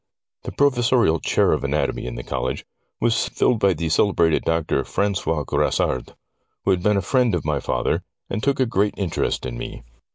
The professorial chair of anatomy in the College was filled by the celebrated Doctor Francois Grassard, who had been a friend of my father, and took a great interest in me.